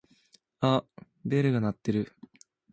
あっベルが鳴ってる。